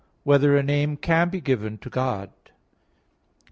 1] Whether a Name Can Be Given to God?